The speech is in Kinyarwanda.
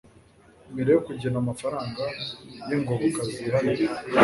mbere yo kugena amafaranga y ingoboka zihariye